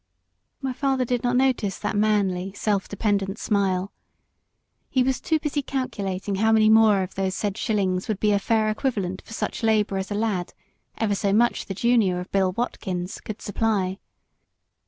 My father did not notice that manly, self dependent smile. He was too busy calculating how many more of those said shillings would be a fair equivalent for such labour as a lad, ever so much the junior of Bill Watkins, could supply.